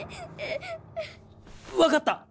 分かった！